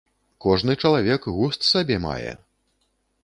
Кожны чалавек густ сабе мае.